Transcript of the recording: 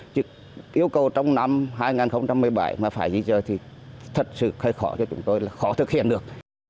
chứ yêu cầu trong năm hai nghìn một mươi bảy mà phải di dời thì thật sự hơi khó cho chúng tôi là khó thực hiện được